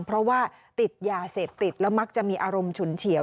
เพราะว่าติดยาเสพติดแล้วมักจะมีอารมณ์ฉุนเฉียว